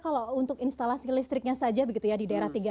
kalau untuk instalasi listriknya saja begitu ya di daerah tiga